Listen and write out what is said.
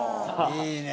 いいね！